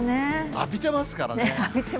浴びてますからね。